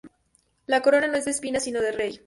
La corona no es de espinas sino de rey.